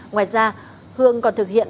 ngoài ra hương còn thực hiện